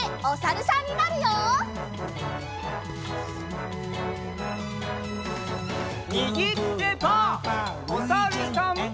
おさるさん。